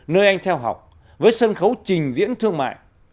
nơi anh theo học với sân khấu trình diễn thương mại